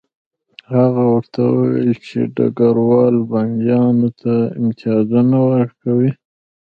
هغه ورته وویل چې ډګروال بندیانو ته امتیازونه ورکوي